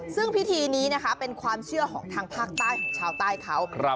ซึ่งพิธีนี้นะคะเป็นความเชื่อของทางภาคใต้ของชาวใต้เขา